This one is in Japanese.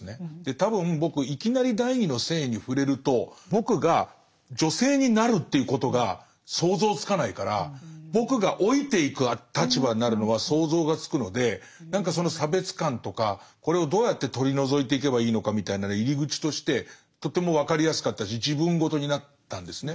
多分僕いきなり「第二の性」に触れると僕が女性になるっていうことが想像つかないから僕が老いていく立場になるのは想像がつくので何かその差別感とかこれをどうやって取り除いていけばいいのかみたいな入り口としてとても分かりやすかったし自分ごとになったんですね。